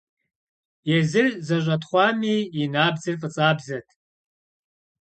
Езыр зэщӀэтхъуами, и набдзэр фӀыцӀабзэт.